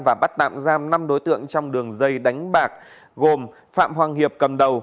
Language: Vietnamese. và bắt tạm giam năm đối tượng trong đường dây đánh bạc gồm phạm hoàng hiệp cầm đầu